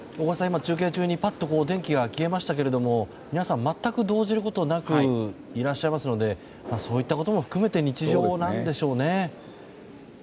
中継中に電気が消えましたが皆さん、全く動じることなくいらっしゃいますからそういったことも含めて日常なんでしょうね。